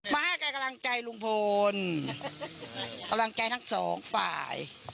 มาให้กำลังใจลุงพลกำลังใจทั้งสองฝ่าย